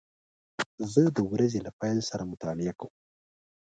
زه د ورځې له پیل سره مطالعه کوم.